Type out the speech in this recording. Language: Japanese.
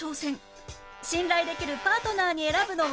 信頼できるパートナーに選ぶのは？